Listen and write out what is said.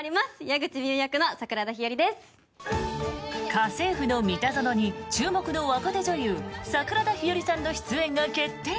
「家政夫のミタゾノ」に注目の若手女優桜田ひよりさんの出演が決定！